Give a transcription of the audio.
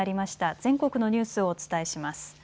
全国のニュースをお伝えします。